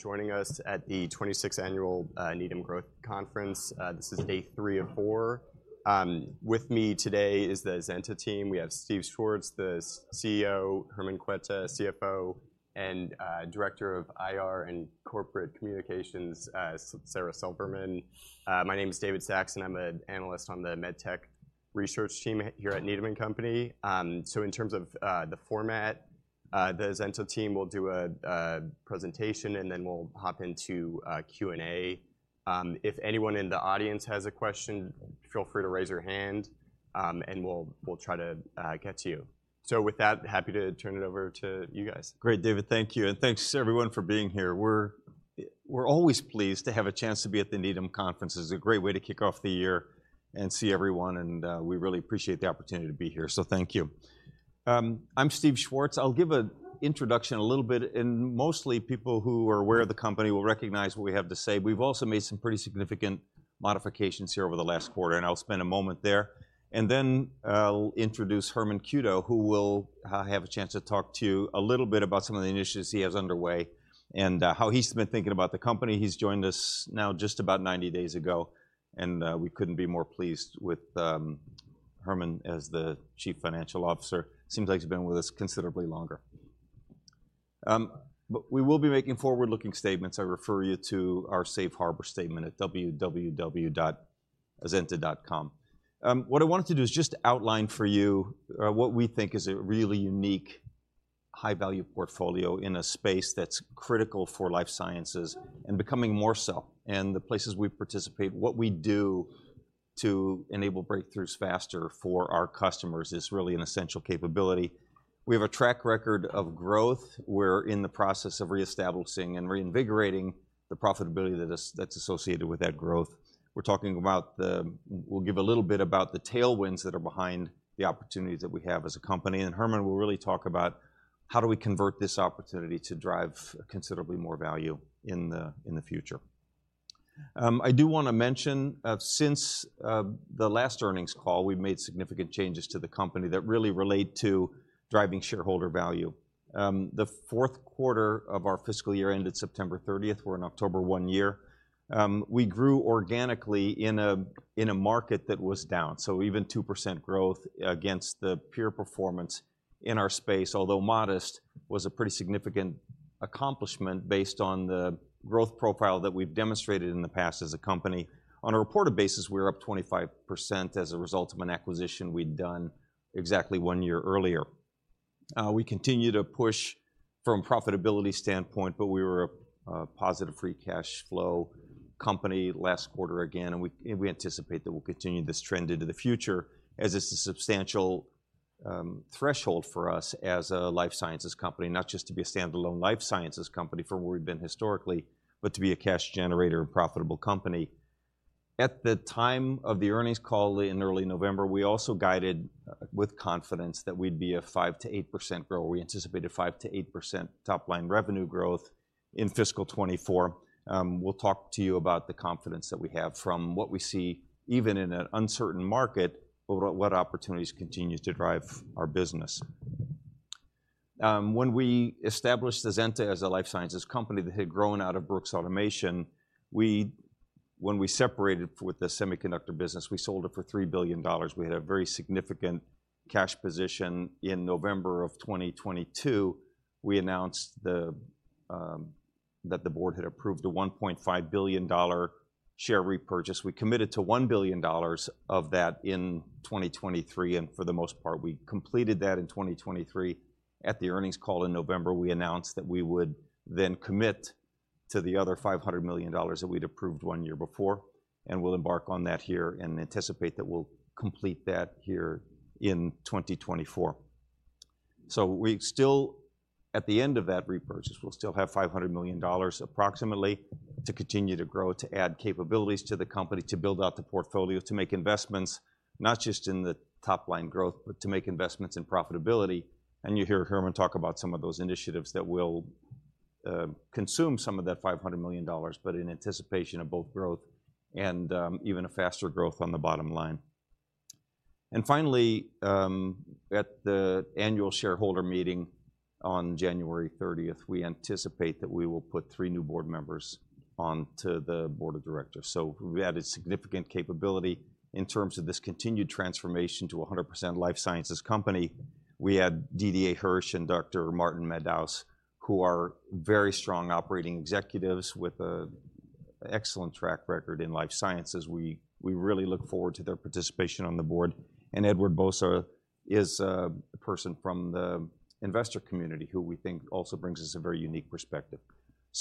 For joining us at the 26th Annual Needham Growth Conference. This is day three of four. With me today is the Azenta team. We have Steve Schwartz, the CEO, Herman Cueto, CFO, and Director of IR and Corporate Communications, Sara Silverman. My name is David Saxon. I'm an analyst on the MedTech research team here at Needham & Company. So in terms of the format, the Azenta team will do a presentation, and then we'll hop into a Q&A. If anyone in the audience has a question, feel free to raise your hand, and we'll try to get to you. So with that, happy to turn it over to you guys. Great, David. Thank you, and thanks, everyone, for being here. We're always pleased to have a chance to be at the Needham conference. This is a great way to kick off the year and see everyone, and we really appreciate the opportunity to be here, so thank you. I'm Steve Schwartz. I'll give an introduction a little bit, and mostly people who are aware of the company will recognize what we have to say. We've also made some pretty significant modifications here over the last quarter, and I'll spend a moment there. And then I'll introduce Herman Cueto, who will have a chance to talk to you a little bit about some of the initiatives he has underway and how he's been thinking about the company. He's joined us now just about 90 days ago, and we couldn't be more pleased with Herman as the Chief Financial Officer. Seems like he's been with us considerably longer. But we will be making forward-looking statements. I refer you to our safe harbor statement at www.azenta.com. What I wanted to do is just outline for you what we think is a really unique, high-value portfolio in a space that's critical for life sciences and becoming more so. And the places we participate, what we do to enable breakthroughs faster for our customers is really an essential capability. We have a track record of growth. We're in the process of reestablishing and reinvigorating the profitability that's associated with that growth. We're talking about the. We'll give a little bit about the tailwinds that are behind the opportunities that we have as a company, and Herman will really talk about how do we convert this opportunity to drive considerably more value in the future. I do wanna mention, since the last earnings call, we've made significant changes to the company that really relate to driving shareholder value. The fourth quarter of our fiscal year ended September 30. We're in October one year. We grew organically in a market that was down, so even 2% growth against the peer performance in our space, although modest, was a pretty significant accomplishment based on the growth profile that we've demonstrated in the past as a company. On a reported basis, we're up 25% as a result of an acquisition we'd done exactly one year earlier. We continue to push from a profitability standpoint, but we were a positive free cash flow company last quarter again, and we anticipate that we'll continue this trend into the future as it's a substantial threshold for us as a life sciences company, not just to be a standalone life sciences company from where we've been historically, but to be a cash generator and profitable company. At the time of the earnings call in early November, we also guided with confidence that we'd be a 5%-8% growth. We anticipated 5%-8% top-line revenue growth in fiscal 2024. We'll talk to you about the confidence that we have from what we see, even in an uncertain market, about what opportunities continues to drive our business. When we established Azenta as a life sciences company that had grown out of Brooks Automation, when we separated with the semiconductor business, we sold it for $3 billion. We had a very significant cash position. In November of 2022, we announced that the board had approved a $1.5 billion share repurchase. We committed to $1 billion of that in 2023, and for the most part, we completed that in 2023. At the earnings call in November, we announced that we would then commit to the other $500 million that we'd approved one year before, and we'll embark on that here and anticipate that we'll complete that here in 2024. So we still, at the end of that repurchase, will still have $500 million approximately to continue to grow, to add capabilities to the company, to build out the portfolio, to make investments, not just in the top-line growth, but to make investments in profitability. And you'll hear Herman talk about some of those initiatives that will consume some of that $500 million, but in anticipation of both growth and even a faster growth on the bottom line. And finally, at the annual shareholder meeting on January 30th we anticipate that we will put three new board members onto the board of directors. So we added significant capability in terms of this continued transformation to a 100% life sciences company. We add Didier Hirsch and Dr. Martin Madaus, who are very strong operating executives with an excellent track record in life sciences. We really look forward to their participation on the board. Edward Bosa is a person from the investor community who we think also brings us a very unique perspective.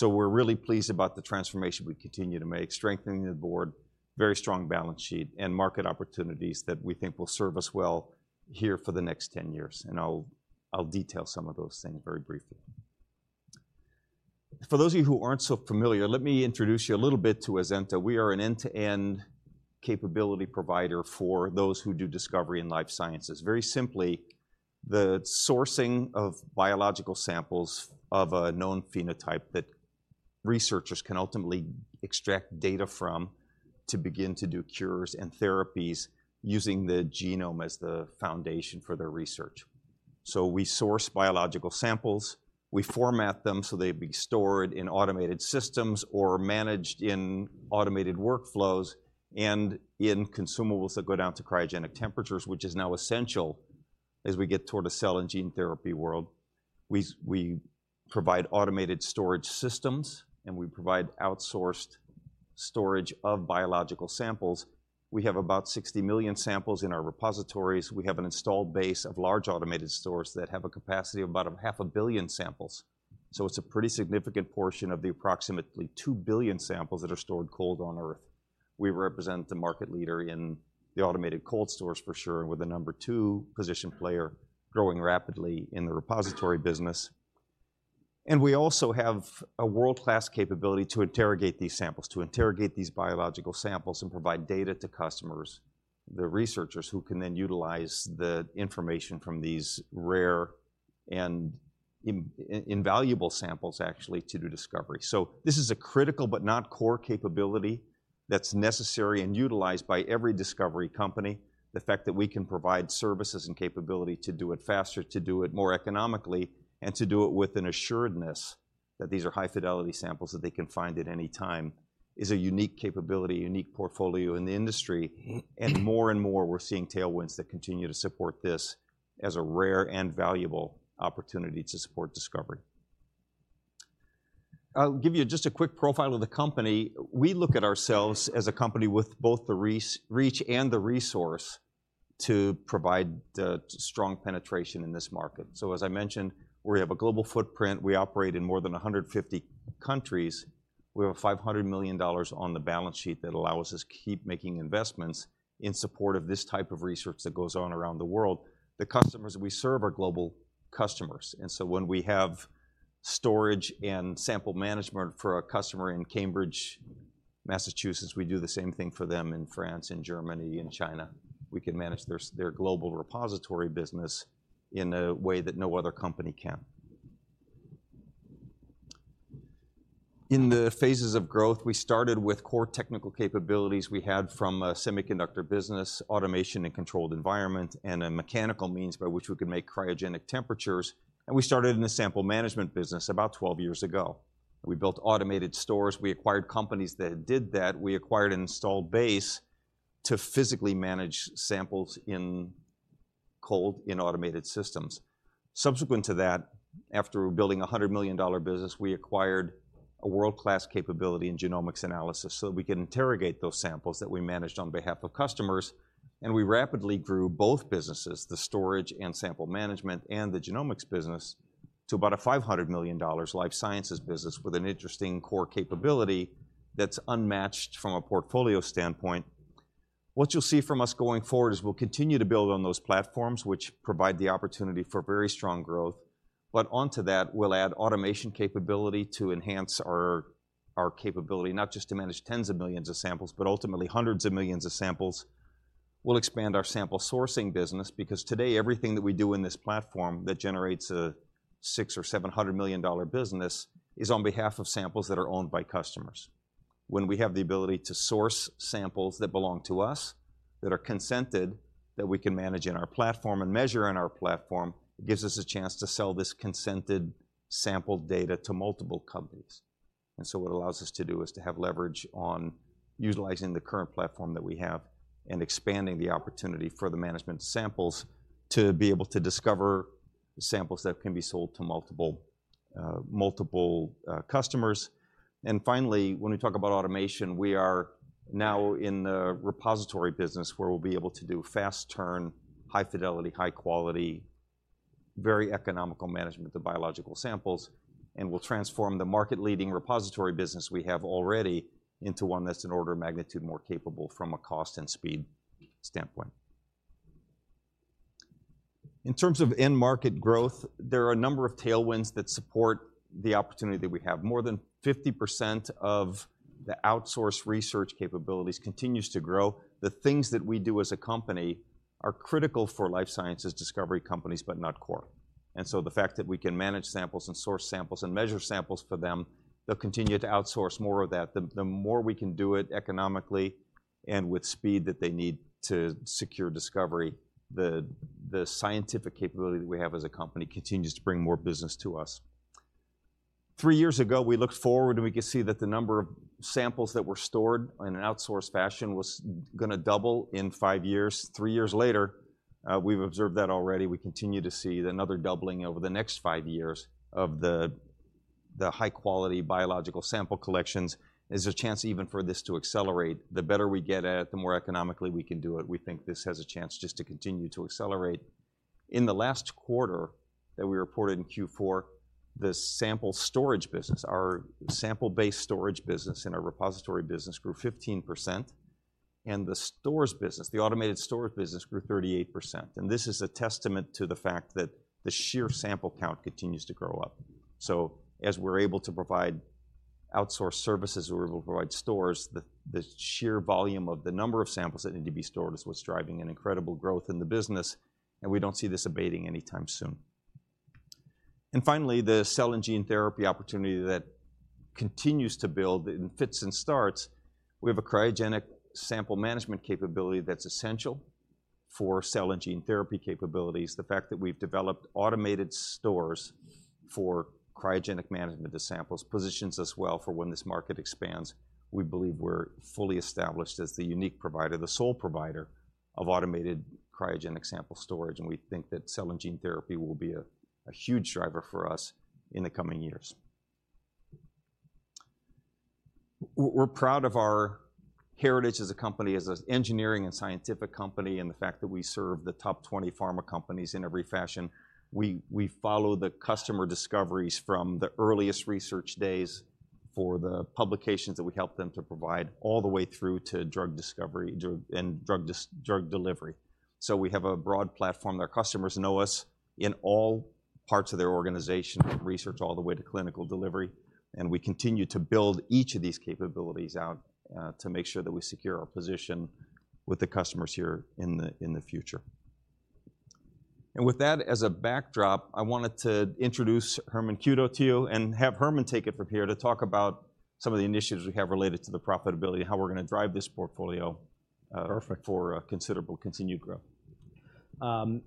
We're really pleased about the transformation we continue to make, strengthening the board, very strong balance sheet, and market opportunities that we think will serve us well here for the next ten years. I'll detail some of those things very briefly. For those of you who aren't so familiar, let me introduce you a little bit to Azenta. We are an end-to-end capability provider for those who do discovery in life sciences. Very simply, the sourcing of biological samples of a known phenotype that researchers can ultimately extract data from to begin to do cures and therapies using the genome as the foundation for their research. So we source biological samples, we format them so they'd be stored in automated systems or managed in automated workflows and in consumables that go down to cryogenic temperatures, which is now essential as we get toward a cell and gene therapy world. We provide automated storage systems, and we provide outsourced storage of biological samples. We have about 60 million samples in our repositories. We have an installed base of large automated stores that have a capacity of about 500 million samples, so it's a pretty significant portion of the approximately 2 billion samples that are stored cold on Earth. We represent the market leader in the automated cold storage for sure, and we're the number two position player growing rapidly in the repository business. We also have a world-class capability to interrogate these samples, to interrogate these biological samples and provide data to customers, the researchers, who can then utilize the information from these rare and invaluable samples, actually, to do discovery. This is a critical but not core capability that's necessary and utilized by every discovery company. The fact that we can provide services and capability to do it faster, to do it more economically, and to do it with an assuredness that these are high-fidelity samples that they can find at any time, is a unique capability, a unique portfolio in the industry. More and more, we're seeing tailwinds that continue to support this as a rare and valuable opportunity to support discovery. I'll give you just a quick profile of the company. We look at ourselves as a company with both the reach and the resource to provide the strong penetration in this market. So, as I mentioned, we have a global footprint. We operate in more than 150 countries. We have $500 million on the balance sheet that allows us to keep making investments in support of this type of research that goes on around the world. The customers we serve are global customers, and so when we have storage and sample management for a customer in Cambridge, Massachusetts, we do the same thing for them in France and Germany and China. We can manage their global repository business in a way that no other company can. In the phases of growth, we started with core technical capabilities we had from a semiconductor business, automation and controlled environment, and a mechanical means by which we could make cryogenic temperatures, and we started in the sample management business about 12 years ago. We built automated stores. We acquired companies that did that. We acquired an installed base to physically manage samples in cold, in automated systems. Subsequent to that, after building a $100 million business, we acquired a world-class capability in genomics analysis so that we could interrogate those samples that we managed on behalf of customers, and we rapidly grew both businesses, the storage and sample management and the genomics business, to about a $500 million life sciences business with an interesting core capability that's unmatched from a portfolio standpoint. What you'll see from us going forward is we'll continue to build on those platforms, which provide the opportunity for very strong growth, but onto that, we'll add automation capability to enhance our capability, not just to manage tens of millions of samples, but ultimately hundreds of millions of samples. We'll expand our sample sourcing business, because today, everything that we do in this platform that generates a $600 million-$700 million business is on behalf of samples that are owned by customers. When we have the ability to source samples that belong to us, that are consented, that we can manage in our platform and measure in our platform, it gives us a chance to sell this consented sample data to multiple companies. So what it allows us to do is to have leverage on utilizing the current platform that we have and expanding the opportunity for the management samples to be able to discover samples that can be sold to multiple customers. Finally, when we talk about automation, we are now in the repository business, where we'll be able to do fast turn, high fidelity, high quality, very economical management of biological samples, and we'll transform the market-leading repository business we have already into one that's an order of magnitude more capable from a cost and speed standpoint. In terms of end market growth, there are a number of tailwinds that support the opportunity that we have. More than 50% of the outsource research capabilities continues to grow. The things that we do as a company are critical for life sciences discovery companies, but not core. The fact that we can manage samples and source samples and measure samples for them, they'll continue to outsource more of that. The more we can do it economically and with speed that they need to secure discovery, the scientific capability that we have as a company continues to bring more business to us. Three years ago, we looked forward, and we could see that the number of samples that were stored in an outsourced fashion was gonna double in five years. Three years later, we've observed that already. We continue to see another doubling over the next five years of the high-quality biological sample collections. There's a chance even for this to accelerate. The better we get at it, the more economically we can do it. We think this has a chance just to continue to accelerate. In the last quarter that we reported in Q4, the sample storage business, our sample-based storage business and our repository business, grew 15%, and the storage business, the automated storage business, grew 38%. And this is a testament to the fact that the sheer sample count continues to grow up. So as we're able to provide outsourced services or we'll provide stores, the sheer volume of the number of samples that need to be stored is what's driving an incredible growth in the business, and we don't see this abating anytime soon. And finally, the cell and gene therapy opportunity that continues to build in fits and starts, we have a cryogenic sample management capability that's essential for cell and gene therapy capabilities. The fact that we've developed automated stores for cryogenic management of samples positions us well for when this market expands. We believe we're fully established as the unique provider, the sole provider of automated cryogenic sample storage, and we think that cell and gene therapy will be a huge driver for us in the coming years. We're proud of our heritage as a company, as an engineering and scientific company, and the fact that we serve the top 20 pharma companies in every fashion. We follow the customer discoveries from the earliest research days for the publications that we help them to provide, all the way through to drug discovery and drug delivery. So we have a broad platform. Our customers know us in all parts of their organization, from research all the way to clinical delivery, and we continue to build each of these capabilities out to make sure that we secure our position with the customers here in the future. With that as a backdrop, I wanted to introduce Herman Cueto to you and have Herman Cueto take it from here to talk about some of the initiatives we have related to the profitability and how we're gonna drive this portfolio- Perfect. Considerable continued growth.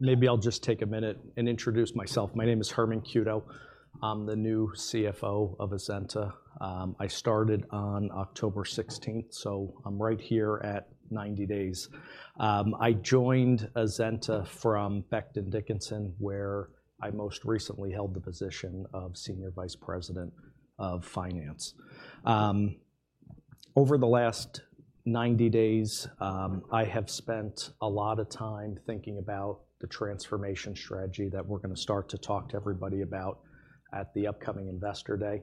Maybe I'll just take a minute and introduce myself. My name is Herman Cueto. I'm the new CFO of Azenta. I started on October sixteenth, so I'm right here at 90 days. I joined Azenta from Becton, Dickinson, where I most recently held the position of senior vice president of finance. Over the last 90 days, I have spent a lot of time thinking about the transformation strategy that we're gonna start to talk to everybody about at the upcoming Investor Day.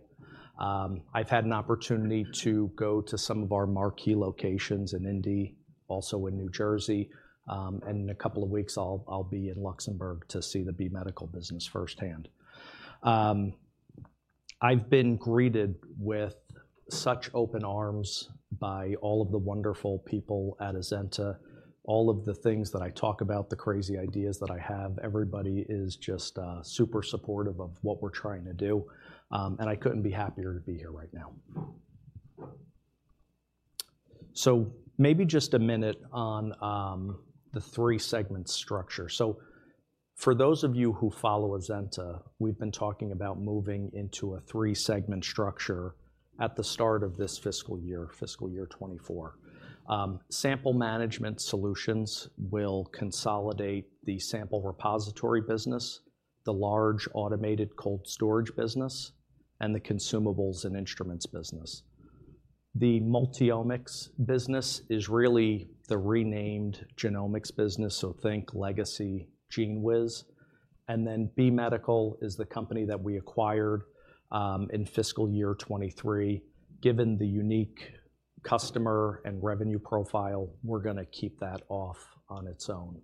I've had an opportunity to go to some of our marquee locations in Indy, also in New Jersey, and in a couple of weeks, I'll be in Luxembourg to see the B Medical business firsthand. I've been greeted with such open arms by all of the wonderful people at Azenta. All of the things that I talk about, the crazy ideas that I have, everybody is just super supportive of what we're trying to do, and I couldn't be happier to be here right now. So maybe just a minute on the three-segment structure. So for those of you who follow Azenta, we've been talking about moving into a three-segment structure at the start of this fiscal year, fiscal year 2024. Sample Management Solutions will consolidate the sample repository business, the large automated cold storage business, and the consumables and instruments business. The Multiomics business is really the renamed genomics business, so think legacy GENEWIZ, and then B Medical is the company that we acquired in fiscal year 2023. Given the unique customer and revenue profile, we're gonna keep that off on its own.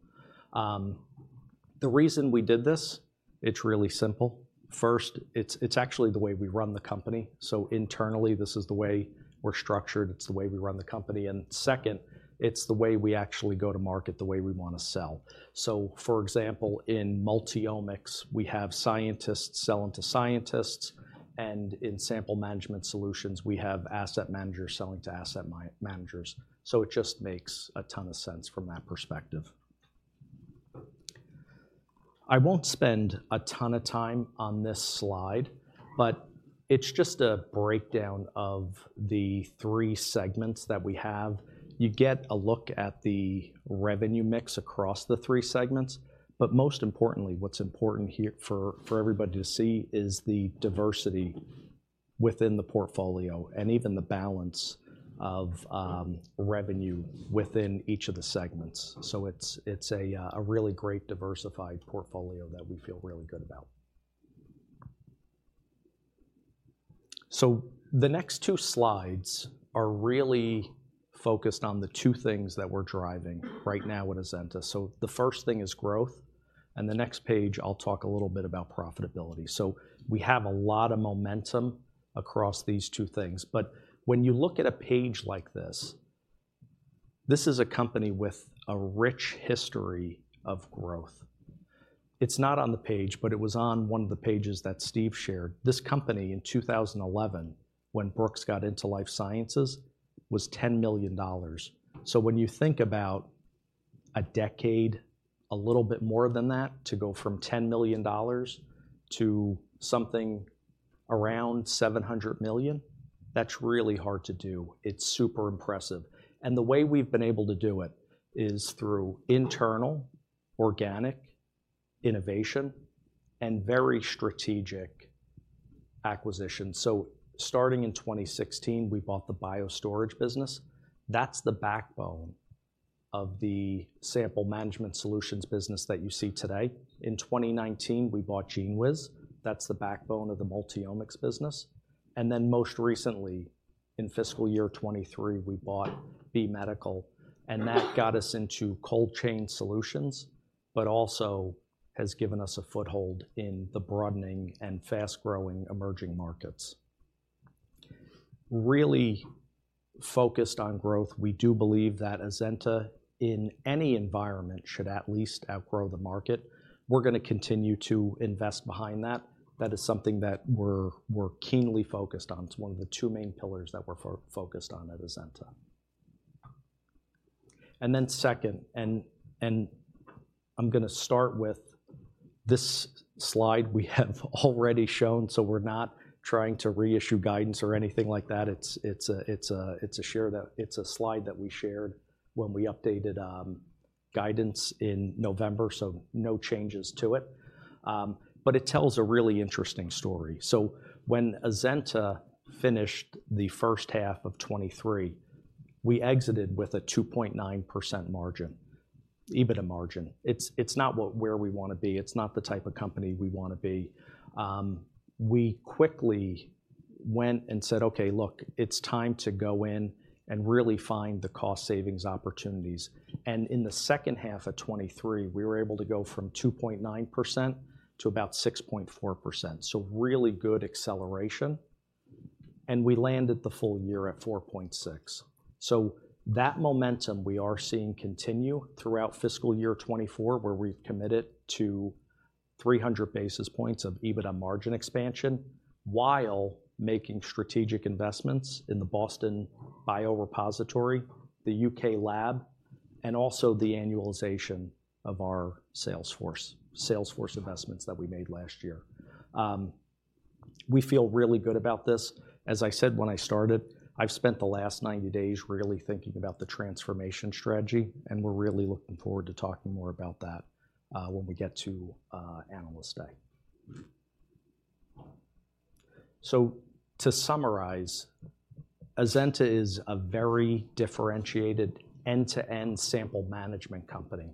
The reason we did this, it's really simple. First, it's actually the way we run the company, so internally, this is the way we're structured, it's the way we run the company, and second, it's the way we actually go to market, the way we wanna sell. So for example, in multiomics, we have scientists selling to scientists, and in sample management solutions, we have asset managers selling to asset managers, so it just makes a ton of sense from that perspective. I won't spend a ton of time on this slide, but it's just a breakdown of the three segments that we have. You get a look at the revenue mix across the three segments, but most importantly, what's important here for everybody to see is the diversity within the portfolio and even the balance of revenue within each of the segments. So it's a really great diversified portfolio that we feel really good about. So the next two slides are really focused on the two things that we're driving right now at Azenta. So the first thing is growth, and the next page, I'll talk a little bit about profitability. So we have a lot of momentum across these two things, but when you look at a page like this, this is a company with a rich history of growth. It's not on the page, but it was on one of the pages that Steve shared. This company in 2011, when Brooks got into life sciences, was $10 million. So when you think about a decade, a little bit more than that, to go from $10 million to something around $700 million, that's really hard to do. It's super impressive. The way we've been able to do it is through internal, organic innovation and very strategic acquisition. So starting in 2016, we bought the BioStorage business. That's the backbone of the sample management solutions business that you see today. In 2019, we bought GENEWIZ. That's the backbone of the multiomics business. And then most recently, in fiscal year 2023, we bought B Medical, and that got us into cold chain solutions, but also has given us a foothold in the broadening and fast-growing emerging market really focused on growth. We do believe that Azenta, in any environment, should at least outgrow the market. We're going to continue to invest behind that. That is something that we're, we're keenly focused on. It's one of the two main pillars that we're focused on at Azenta. And then second, I'm going to start with this slide we have already shown, so we're not trying to reissue guidance or anything like that. It's a slide that we shared when we updated guidance in November, so no changes to it. But it tells a really interesting story. So when Azenta finished the first half of 2023, we exited with a 2.9% margin, EBITDA margin. It's not where we want to be. It's not the type of company we want to be. We quickly went and said, "Okay, look, it's time to go in and really find the cost savings opportunities." And in the second half of 2023, we were able to go from 2.9% to about 6.4%, so really good acceleration, and we landed the full year at 4.6%. So that momentum we are seeing continue throughout fiscal year 2024, where we've committed to 300 basis points of EBITDA margin expansion while making strategic investments in the Boston biorepository, the UK lab, and also the annualization of our sales force, sales force investments that we made last year. We feel really good about this. As I said when I started, I've spent the last 90 days really thinking about the transformation strategy, and we're really looking forward to talking more about that when we get to Analyst Day. So to summarize, Azenta is a very differentiated, end-to-end sample management company.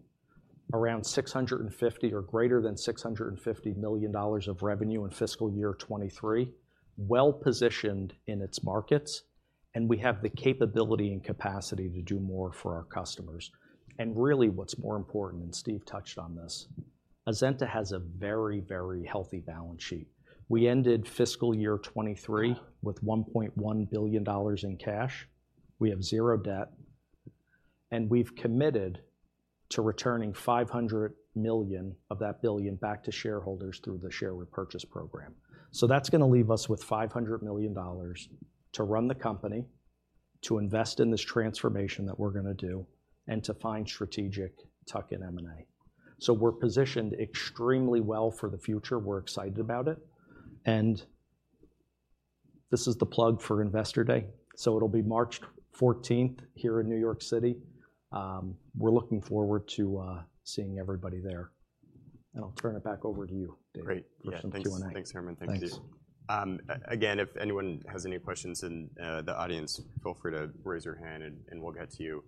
Around $650 million, or greater than $650 million of revenue in fiscal year 2023. Well-positioned in its markets, and we have the capability and capacity to do more for our customers. And really, what's more important, and Steve touched on this, Azenta has a very, very healthy balance sheet. We ended fiscal year 2023 with $1.1 billion in cash. We have zero debt, and we've committed to returning $500 million of that billion back to shareholders through the share repurchase program. So that's going to leave us with $500 million to run the company, to invest in this transformation that we're going to do, and to find strategic tuck-in M&A. So we're positioned extremely well for the future. We're excited about it, and this is the plug for Investor Day, so it'll be March 14th, here in New York City. We're looking forward to seeing everybody there. I'll turn it back over to you, Dave. Great. For some Q&A. Yeah. Thanks, thanks, Herman. Thank you. Thanks. Again, if anyone has any questions in the audience, feel free to raise your hand and we'll get to you.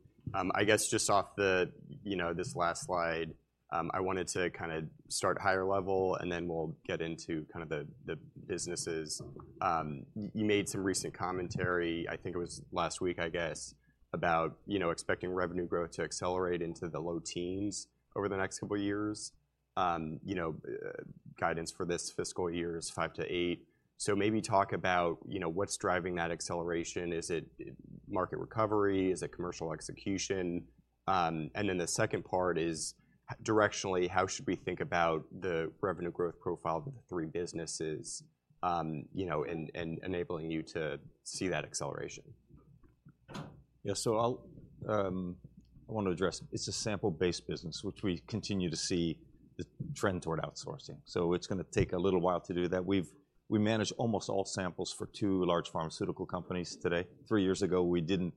I guess just off the, you know, this last slide, I wanted to kind of start higher level, and then we'll get into kind of the businesses. You made some recent commentary, I think it was last week, I guess, about, you know, expecting revenue growth to accelerate into the low teens over the next couple of years. You know, guidance for this fiscal year is five to eight. So maybe talk about, you know, what's driving that acceleration. Is it market recovery? Is it commercial execution? And then the second part is, directionally, how should we think about the revenue growth profile of the three businesses, you know, and enabling you to see that acceleration? So I want to address, it's a sample-based business, which we continue to see the trend toward outsourcing, so it's going to take a little while to do that. We've, we manage almost all samples for two large pharmaceutical companies today. Three years ago, we didn't.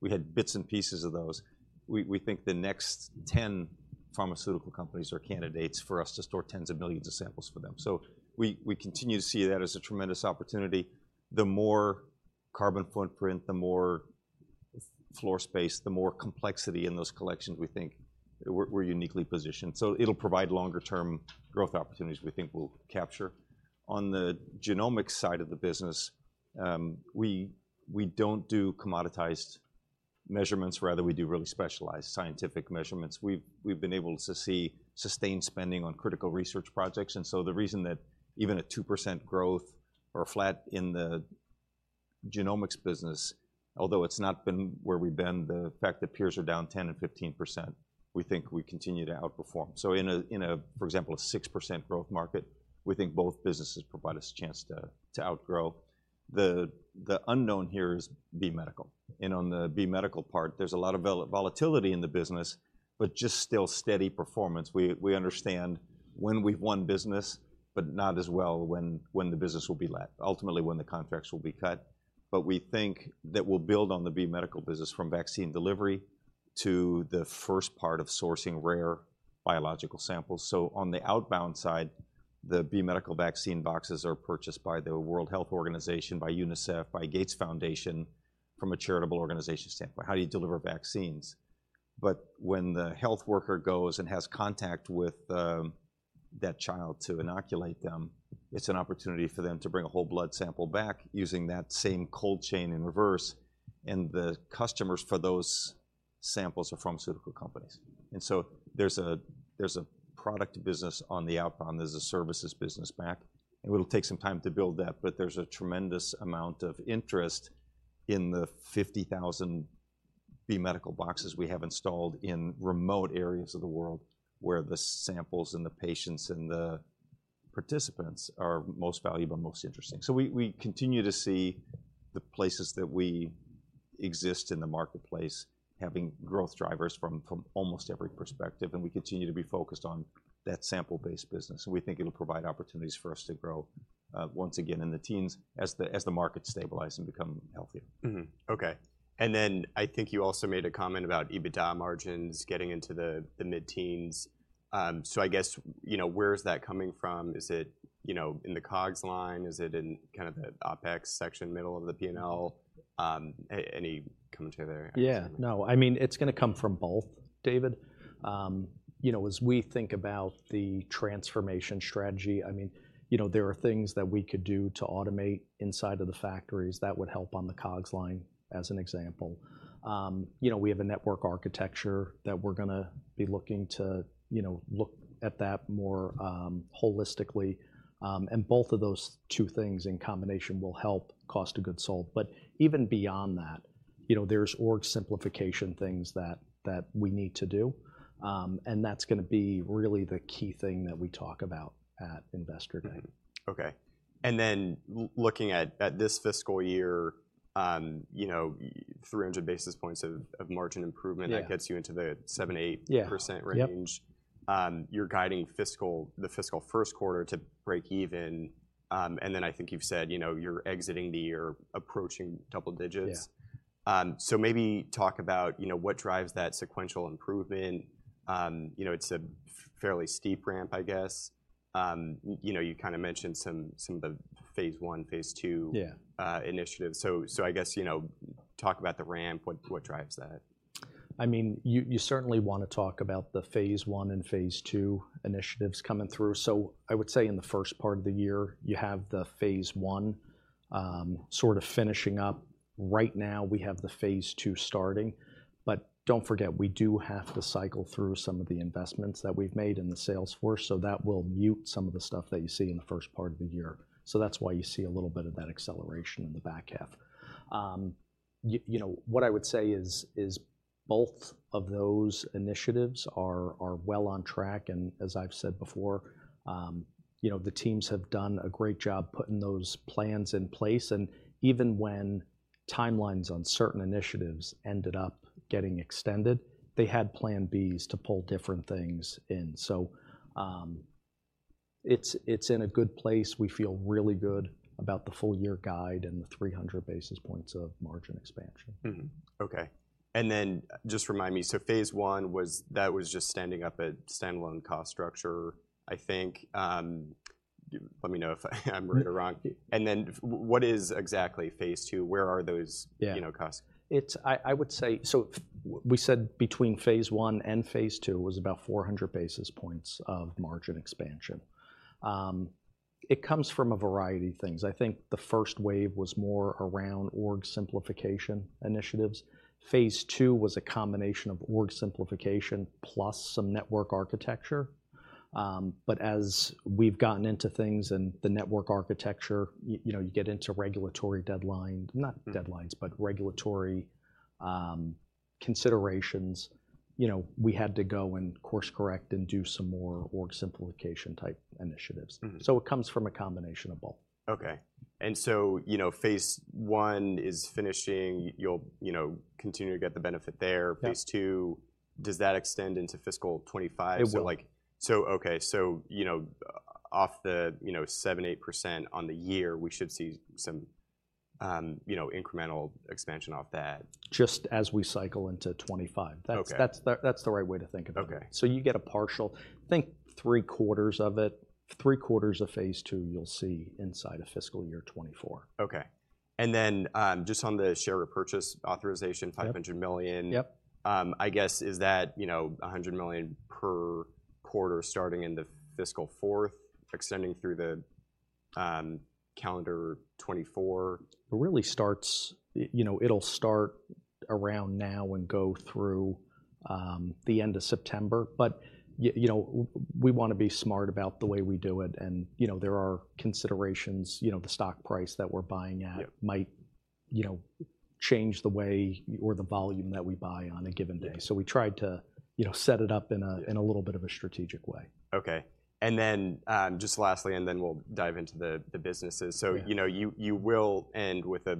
We had bits and pieces of those. We, we think the next 10 pharmaceutical companies are candidates for us to store tens of millions of samples for them. So we, we continue to see that as a tremendous opportunity. The more carbon footprint, the more floor space, the more complexity in those collections, we think we're, we're uniquely positioned. So it'll provide longer term growth opportunities we think we'll capture. On the genomics side of the business, we, we don't do commoditized measurements, rather we do really specialized scientific measurements. We've been able to see sustained spending on critical research projects, and so the reason that even a 2% growth or flat in the genomics business, although it's not been where we've been, the fact that peers are down 10% and 15%, we think we continue to outperform. So in a, for example, a 6% growth market, we think both businesses provide us a chance to outgrow. The unknown here is B Medical, and on the B Medical part, there's a lot of volatility in the business, but just still steady performance. We understand when we've won business, but not as well when the business will be let, ultimately, when the contracts will be cut. But we think that we'll build on the B Medical business from vaccine delivery to the first part of sourcing rare biological samples. So on the outbound side, the B Medical vaccine boxes are purchased by the World Health Organization, by UNICEF, by Bill & Melinda Gates Foundation, from a charitable organization standpoint. How do you deliver vaccines? But when the health worker goes and has contact with that child to inoculate them, it's an opportunity for them to bring a whole blood sample back using that same cold chain in reverse, and the customers for those. Samples of pharmaceutical companies. And so there's a, there's a product business on the outbound, there's a services business back, and it'll take some time to build that, but there's a tremendous amount of interest in the 50,000 B Medical boxes we have installed in remote areas of the world, where the samples and the patients and the participants are most valuable and most interesting. So we, we continue to see the places that we exist in the marketplace having growth drivers from, from almost every perspective, and we continue to be focused on that sample-based business. We think it'll provide opportunities for us to grow once again in the teens as the, as the market stabilize and become healthier. Okay. And then I think you also made a comment about EBITDA margins getting into the mid-teens. So I guess, you know, where is that coming from? Is it, you know, in the COGS line, is it in kind of the OpEx section, middle of the P&L? Any commentary there? Yeah, no, I mean, it's gonna come from both, David. You know, as we think about the transformation strategy, I mean, you know, there are things that we could do to automate inside of the factories that would help on the COGS line, as an example. You know, we have a network architecture that we're gonna be looking to, you know, look at that more holistically. And both of those two things in combination will help cost of goods sold. But even beyond that, you know, there's org simplification things that we need to do. And that's gonna be really the key thing that we talk about at Investor Day. Okay. And then looking at this fiscal year, you know, 300 basis points of margin improvement that gets you into the seven, eight percent range. You're guiding fiscal, the fiscal first quarter to break even. And then I think you've said, you know, you're exiting the year approaching double digits. So maybe talk about, you know, what drives that sequential improvement. You know, it's a fairly steep ramp, I guess. You know, you kinda mentioned some of the phase I, phase II initiatives. So, I guess, you know, talk about the ramp. What drives that? I mean, you, you certainly wanna talk about the phase I and phase II initiatives coming through. So I would say in the first part of the year, you have the phase I, sort of finishing up. Right now, we have the phase II starting, but don't forget, we do have to cycle through some of the investments that we've made in the sales force, so that will mute some of the stuff that you see in the first part of the year. So that's why you see a little bit of that acceleration in the back half. You know, what I would say is both of those initiatives are well on track, and as I've said before, you know, the teams have done a great job putting those plans in place. Even when timelines on certain initiatives ended up getting extended, they had plan Bs to pull different things in. So, it's, it's in a good place. We feel really good about the full year guide and the 300 basis points of margin expansion. Okay. And then just remind me, so phase I was. That was just standing up a standalone cost structure, I think. Let me know if I'm right or wrong. What is exactly phase II? Where are those you know, costs? I would say, so we said between phase I and phase II was about 400 basis points of margin expansion. It comes from a variety of things. I think the first wave was more around org simplification initiatives. Phase II was a combination of org simplification plus some network architecture. But as we've gotten into things and the network architecture, you know, you get into regulatory deadline, not deadlines, but regulatory considerations. You know, we had to go and course-correct and do some more org simplification type initiatives. It comes from a combination of both. Okay. And so, you know, phase I is finishing. You'll, you know, continue to get the benefit there. Phase II, does that extend into fiscal 2025? It will. So, like, okay, so, you know, off the 7%-8% on the year, we should see some, you know, incremental expansion off that. Just as we cycle into 2025. Okay. That's the right way to think about it. Okay. So you get a partial, I think three quarters of it, three quarters of phase II, you'll see inside of fiscal year 2024. Okay. Then, just on the share repurchase authorization $500 million. I guess, is that, you know, $100 million per quarter starting in the fiscal fourth, extending through the calendar 2024? It really starts, you know, it'll start around now and go through the end of September. But you know, we wanna be smart about the way we do it, and, you know, there are considerations, you know, the stock price that we're buying at might, you know, change the way or the volume that we buy on a given day. Okay. So we tried to, you know, set it up in a little bit of a strategic way. Okay. And then, just lastly, and then we'll dive into the businesses. So, you know, you will end with a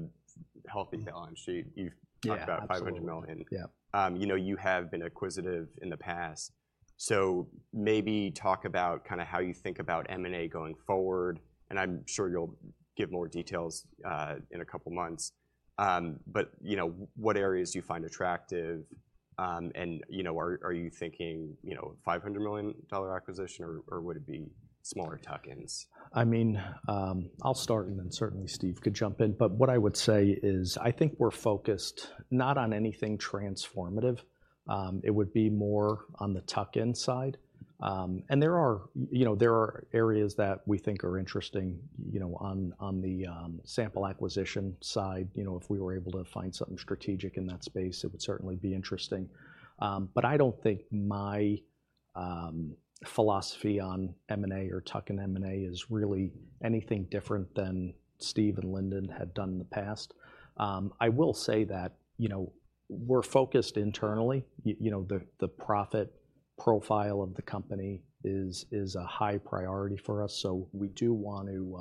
healthy balance sheet. You've- Yeah, absolutely. Talked about $500 million. You know, you have been acquisitive in the past, so maybe talk about kinda how you think about M&A going forward, and I'm sure you'll give more details in a couple of months. But, you know, what areas do you find attractive? And, you know, are you thinking, you know, $500 million acquisition or would it be smaller tuck-ins? I mean, I'll start, and then certainly Steve could jump in. But what I would say is, I think we're focused not on anything transformative, it would be more on the tuck-in side. And there are, you know, there are areas that we think are interesting, you know, on the sample acquisition side. You know, if we were able to find something strategic in that space, it would certainly be interesting. But I don't think my philosophy on M&A or tuck-in M&A is really anything different than Steve and Lyndon had done in the past. I will say that, you know, we're focused internally. You know, the profit profile of the company is a high priority for us, so we do want to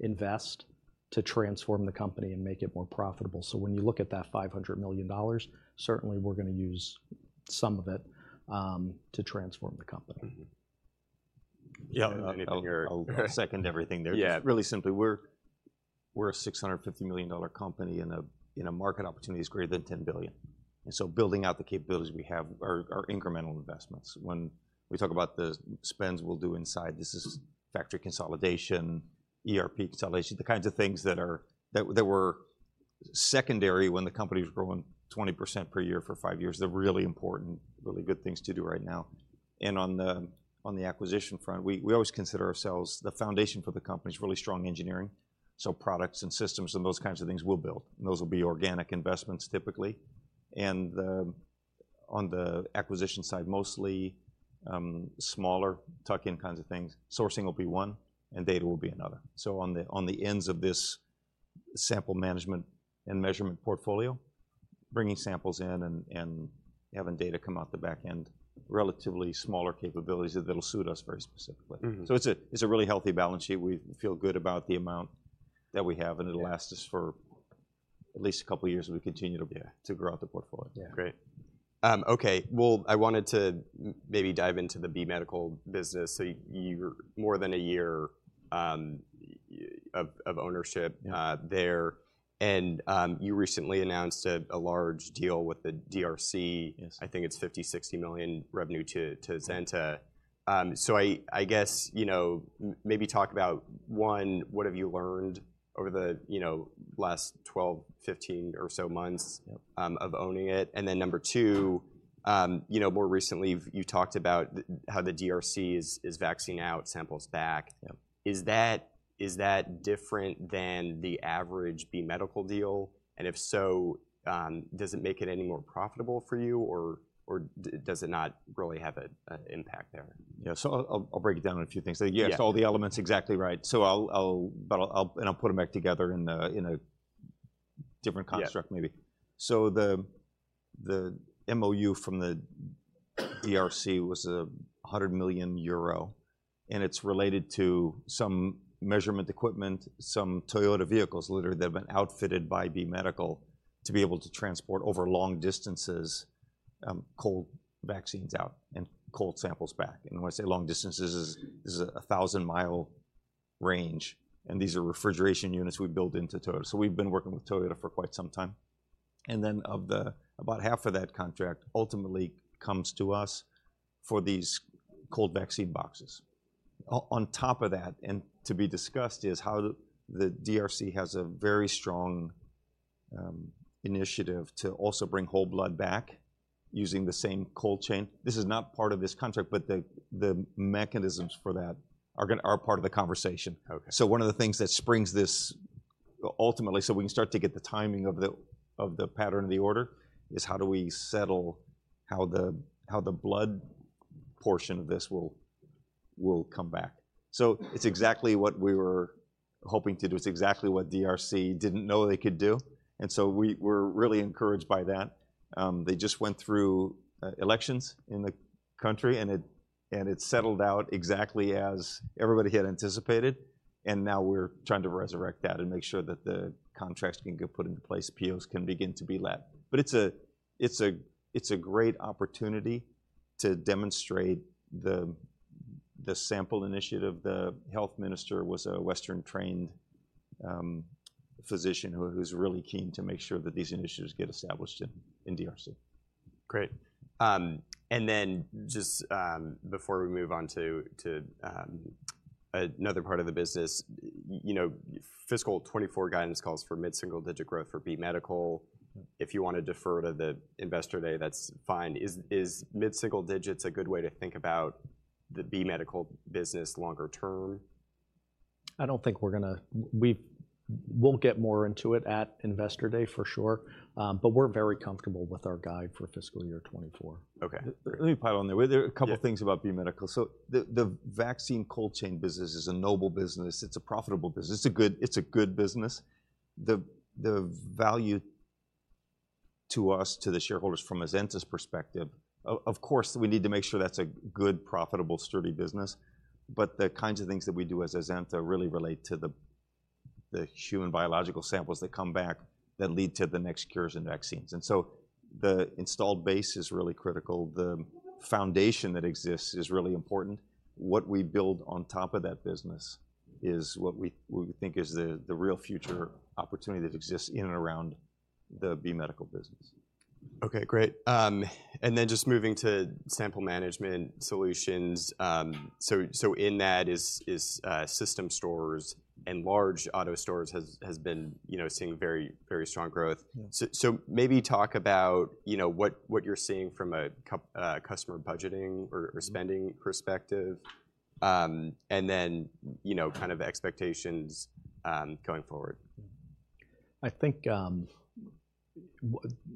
invest to transform the company and make it more profitable. So when you look at that $500 million, certainly we're going to use some of it to transform the company. Mm-hmm. Yeah, and I'll second everything there. Just really simply, we're a $650 million company in a market opportunity that's greater than $10 billion, and so building out the capabilities we have are incremental investments. When we talk about the spends we'll do inside, this is factory consolidation, ERP consolidation, the kinds of things that were secondary when the company was growing 20% per year for five years. They're really important, really good things to do right now. And on the acquisition front, we always consider ourselves. The foundation for the company is really strong engineering, so products and systems and those kinds of things we'll build, and those will be organic investments, typically. And on the acquisition side, mostly smaller tuck-in kinds of things. Sourcing will be one, and data will be another. So on the ends of this sample management and measurement portfolio, bringing samples in and having data come out the back end, relatively smaller capabilities that'll suit us very specifically. So it's a really healthy balance sheet. We feel good about the amount that we have, and it'll last us for at least a couple of years as we continue to grow out the portfolio. Yeah. Great. Okay. Well, I wanted to maybe dive into the B Medical business. So you're more than a year of ownership there, and you recently announced a large deal with the DRC. Yes. I think it's $50-60 million revenue to Azenta. So I guess, you know, maybe talk about one, what have you learned over the, you know, last 12, 15 or so months of owning it? And then number two, you know, more recently, you talked about how the DRC is vaccinating out samples back. Is that, is that different than the average B Medical deal? And if so, does it make it any more profitable for you, or does it not really have a impact there? Yeah, so I'll break it down a few things. So, yes, all the elements exactly right. So I'll, but I'll and I'll put them back together in a different construct maybe. So the MoU from the DRC was 100 million euro, and it's related to some measurement equipment, some Toyota vehicles, literally, that have been outfitted by B Medical to be able to transport over long distances, cold vaccines out and cold samples back. And when I say long distances, this is a 1,000-mile range, and these are refrigeration units we built into Toyota. So we've been working with Toyota for quite some time. And then, of the. About half of that contract ultimately comes to us for these cold vaccine boxes. On top of that, and to be discussed, is how the DRC has a very strong initiative to also bring whole blood back using the same cold chain. This is not part of this contract, but the mechanisms for that are gonna, are part of the conversation. Okay. So one of the things that springs this, ultimately, so we can start to get the timing of the pattern of the order, is how do we settle how the blood portion of this will come back? So it's exactly what we were hoping to do. It's exactly what DRC didn't know they could do, and so we were really encouraged by that. They just went through elections in the country, and it settled out exactly as everybody had anticipated, and now we're trying to resurrect that and make sure that the contracts can get put into place, POs can begin to be let. But it's a great opportunity to demonstrate the sample initiative. The health minister was a Western-trained physician who's really keen to make sure that these initiatives get established in DRC. Great. And then, just, before we move on to, to, another part of the business, you know, fiscal 2024 guidance calls for mid-single-digit growth for B Medical. If you want to defer to the investor day, that's fine. Is, is mid-single digits a good way to think about the B Medical business longer term? I don't think we're gonna. We'll get more into it at Investor Day, for sure, but we're very comfortable with our guide for fiscal year 2024. Okay. Let me pile on there. There are a couple things about B Medical. So the vaccine cold chain business is a noble business. It's a profitable business. It's a good business. The value to us, to the shareholders from Azenta's perspective, of course, we need to make sure that's a good, profitable, sturdy business, but the kinds of things that we do as Azenta really relate to the human biological samples that come back, that lead to the next cures and vaccines, and so the installed base is really critical. The foundation that exists is really important. What we build on top of that business is what we think is the real future opportunity that exists in and around the B Medical business. Okay, great. And then just moving to Sample Management Solutions, so in that, system stores and large auto stores has been, you know, seeing very, very strong growth. So maybe talk about, you know, what you're seeing from a core customer budgeting or spending perspective, and then, you know, kind of expectations going forward? I think,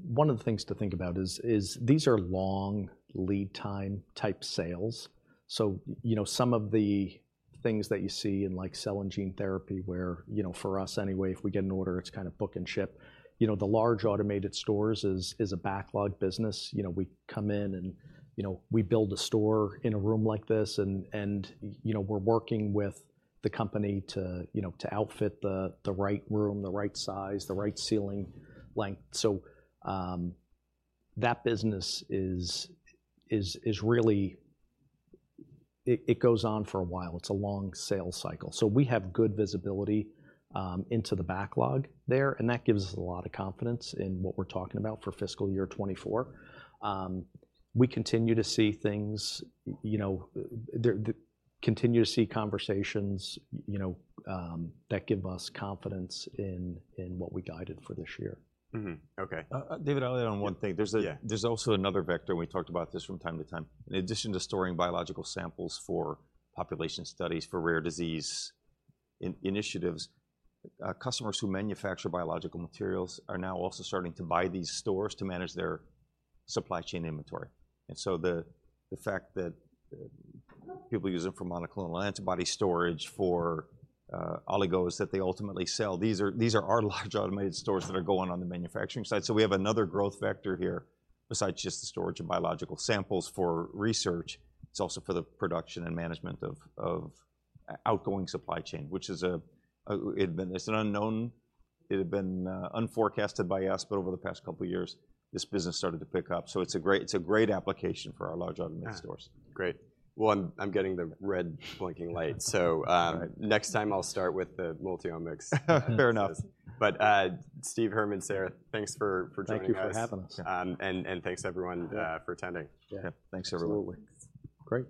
one of the things to think about is, these are long lead time type sales, so, you know, some of the things that you see in, like, cell and gene therapy, where, you know, for us anyway, if we get an order, it's kind of book and ship. You know, the large automated stores is a backlog business. You know, we come in, and, you know, we build a store in a room like this, and, you know, we're working with the company to, you know, to outfit the, the right room, the right size, the right ceiling length. So, that business is really. It goes on for a while. It's a long sales cycle. So we have good visibility into the backlog there, and that gives us a lot of confidence in what we're talking about for fiscal year 2024. We continue to see things, you know. Continue to see conversations, you know, that give us a lot of confidence in what we guided for this year. Okay. David, I'll add on one thing. There's also another vector, and we talked about this from time to time. In addition to storing biological samples for population studies, for rare disease initiatives, customers who manufacture biological materials are now also starting to buy these stores to manage their supply chain inventory, and so the fact that people use them for monoclonal antibody storage, for oligos that they ultimately sell, these are our large automated stores that are going on the manufacturing side. So we have another growth vector here besides just the storage of biological samples for research. It's also for the production and management of outgoing supply chain, which is an unknown. It had been unforecasted by us, but over the past couple of years, this business started to pick up, so it's a great, it's a great application for our large automated stores. Nice. Great. Well, I'm getting the red blinking light, so. All right. Next time I'll start with the Multiomics. Fair enough. Steve, Herman, Sara, thanks for joining us. Thank you for having us. Thanks, everyone, for attending. Yeah, thanks, everyone. Absolutely. Great.